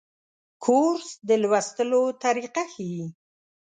کورس د لوستلو طریقه ښيي.